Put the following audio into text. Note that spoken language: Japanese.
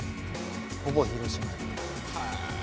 ほぼ広島。